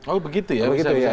oh begitu ya